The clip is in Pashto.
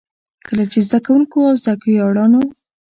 کله چې زده کـوونـکو او زده کړيـالانـو